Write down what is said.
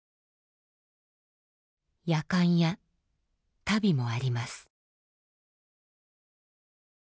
やかんや足袋もあります。